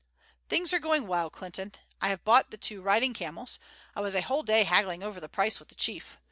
"Things are going well, Clinton. I have bought the two riding camels. I was a whole day haggling over the price with the chief.